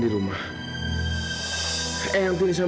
karena ayang gak enak badan